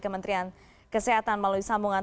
kementerian kesehatan melalui sambungan